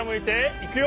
いくよ！